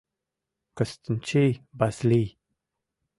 Кстинчий Васлий.